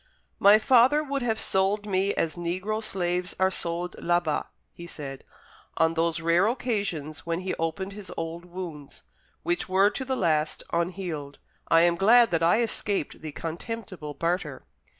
"My father would have sold me as negro slaves are sold là bas," he said, on those rare occasions when he opened his old wounds, which were to the last unhealed: "I am glad that I escaped the contemptible barter."